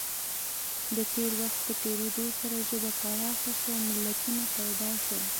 د وخت په تېرېدو سره ژبه پراخه شوه او متلونه پیدا شول